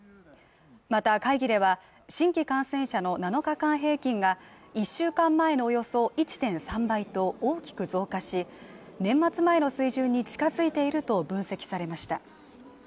また会議では新規感染者の７日間平均が１週間前のおよそ１．３倍と大きく増加し年末前の水準に近づいていると分析されました